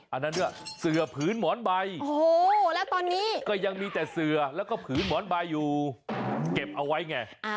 อันนั้นด้วยเสือผืนหมอนใบโอ้โหแล้วตอนนี้ก็ยังมีแต่เสือแล้วก็ผืนหมอนใบอยู่เก็บเอาไว้ไง